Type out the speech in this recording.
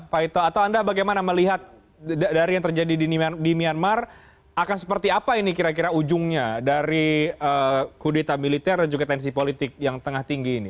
pak ito atau anda bagaimana melihat dari yang terjadi di myanmar akan seperti apa ini kira kira ujungnya dari kudeta militer dan juga tensi politik yang tengah tinggi ini